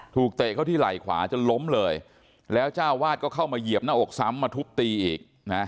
เตะเขาที่ไหล่ขวาจนล้มเลยแล้วเจ้าวาดก็เข้ามาเหยียบหน้าอกซ้ำมาทุบตีอีกนะ